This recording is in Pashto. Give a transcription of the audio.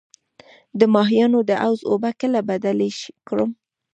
د ماهیانو د حوض اوبه کله بدلې کړم؟